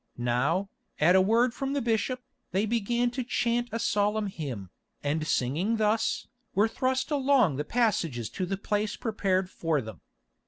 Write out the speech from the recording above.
Now, at a word from the bishop, they began to chant a solemn hymn, and singing thus, were thrust along the passages to the place prepared for them.